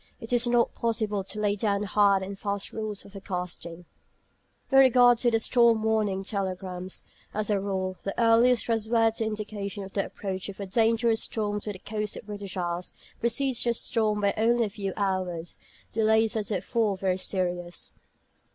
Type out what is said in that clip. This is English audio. It is not possible to lay down hard and fast rules for forecasting. With regard to the storm warning telegrams, as a rule, the earliest trustworthy indication of the approach of a dangerous storm to the coasts of the British Isles precedes the storm by only a few hours. Delays are therefore very serious.